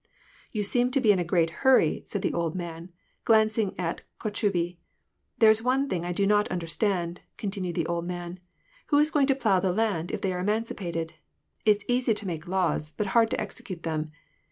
" You seem to be in a great hurry," f said the old man, glancing at Kotchubey. " There's one thing I do not under stand," continued the old man. " Who is going to plough the land, if they are emancipated ? It's easy to make laAVS, but hard to execute them.